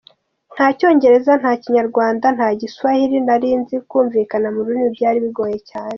Nta Cyongereza, nta Kinyarwanda, nta Giswahili nari nzi, kumvikana mu rurimi byari bigoye cyane.